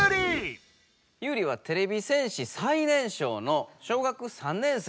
ユウリはてれび戦士最年少の小学３年生。